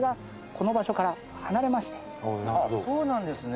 そうなんですね。